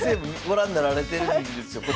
ご覧なられてるんですよ。